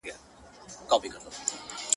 ځم د اوښکو په ګودر کي ګرېوانونه ښخومه.!.!